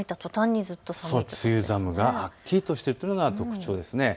梅雨寒がはっきりとしているというのが特長です。